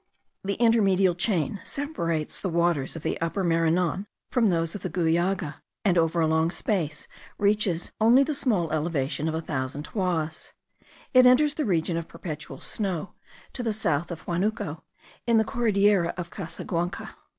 The intermedial chain separates the waters of the Upper Maranon from those of the Guallaga, and over a long space reaches only the small elevation of a thousand toises; it enters the region of perpetual snow to the south of Huanuco in the Cordillera of Sasaguanca.